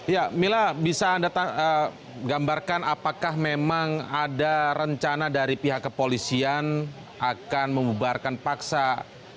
ya mila bisa anda gambarkan apakah memang ada rencana dari pihak kepolisian akan membubarkan paksa